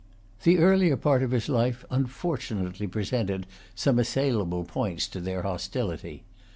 The earlier part of his life unfortunately presented some assailable points to their hostility.